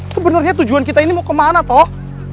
sebenarnya tujuan kita ini mau kemana toh